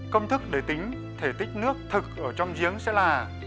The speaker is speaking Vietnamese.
công thức để tính thể tích nước thực ở trong giếng sẽ là